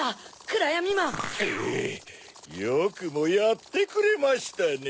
クゥよくもやってくれましたね。